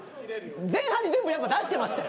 前半に全部やっぱ出してましたよ。